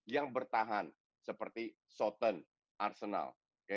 yang bertahan seperti southern arsenal